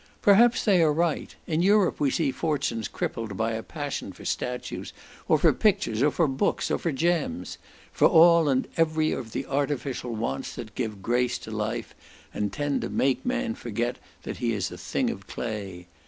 Perhaps they are right. In Europe we see fortunes crippled by a passion for statues, or for pictures, or for books, or for gems; for all and every of the artificial wants that give grace to life, and tend to make man forget that he is a thing of clay.